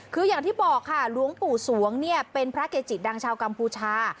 คืออย่างที่บอกค่ะหลวงปู่สวงเนี่ยเป็นพระเกจิดังชาวกัมพูชา